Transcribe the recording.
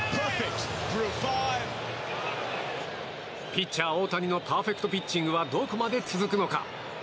ピッチャー大谷のパーフェクトピッチングはどこまで続くのか。